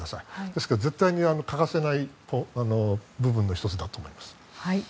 ですから絶対に欠かせない部分の１つだと思います。